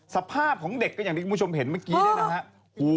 สภาพของเด็กก็อย่างที่คุณผู้ชมเห็นเมื่อกี้เนี่ยนะฮะ